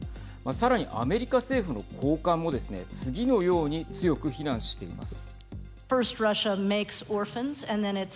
さらにアメリカ政府の高官もですね次のように強く非難しています。